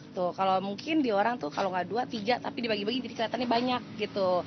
tuh kalau mungkin di orang tuh kalau nggak dua tiga tapi dibagi bagi jadi kelihatannya banyak gitu